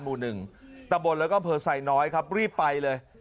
หมู่๑ตะบนแล้วก็อำเภอไซน้อยครับรีบไปเลย